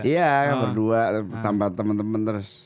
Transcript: iya berdua tambah temen temen terus